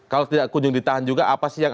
kalau tidak kunjung ditahan juga apa sih yang